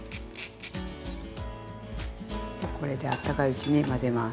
これであったかいうちに混ぜます。